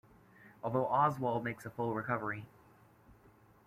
Although Oswald makes a full recovery.